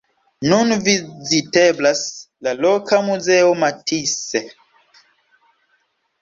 Nun viziteblas la loka muzeo Matisse.